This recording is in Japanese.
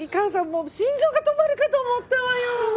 もう心臓が止まるかと思ったわよ。